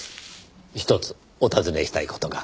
ひとつお尋ねしたい事が。